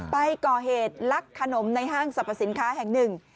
ไปก่อเหตุลักขนมในห้างสรรพสินค้าแห่งหนึ่ง